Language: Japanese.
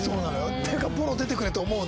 っていうかボロ出てくれって思うんだ。